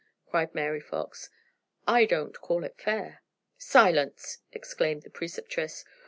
cried Mary Fox. "I don't call it fair " "Silence!" exclaimed the Preceptress.